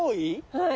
はい。